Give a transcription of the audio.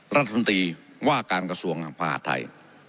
รัฐมนตรีว่าการกระทรวงมหาดไทย